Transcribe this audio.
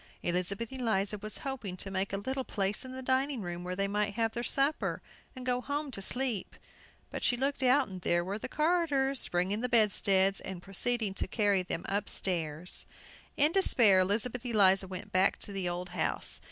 Elizabeth Eliza was hoping to make a little place in the dining room, where they might have their supper, and go home to sleep. But she looked out, and there were the carters bringing the bedsteads, and proceeding to carry them upstairs. In despair Elizabeth Eliza went back to the old house.